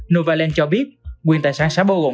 novaland cho biết quyền tài sản sẽ bao gồm